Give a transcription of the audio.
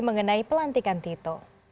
mengenai pelantikan tito